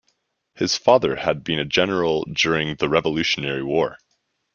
His father had been a general during the Revolutionary War.